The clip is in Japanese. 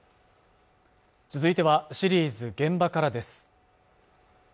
続いてはシリーズ「現場から」です